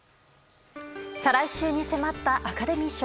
再来週に迫ったアカデミー賞。